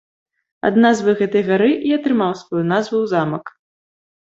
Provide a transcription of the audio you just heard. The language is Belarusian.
Ад назвы гэтай гары і атрымаў сваю назву замак.